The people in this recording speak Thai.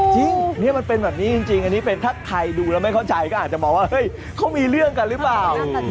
จริงนี่มันเป็นแบบนี้จริงอันนี้เป็นถ้าใครดูแล้วไม่เข้าใจก็อาจจะมองว่าเฮ้ยเขามีเรื่องกันหรือเปล่า